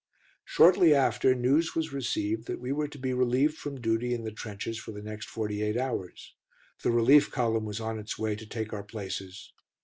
Shortly after news was received that we were to be relieved from duty in the trenches for the next forty eight hours; the relief column was on its way to take our places.